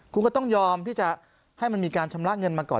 คุณก็ต้องยอมที่จะให้มันมีการชำระเงินมาก่อน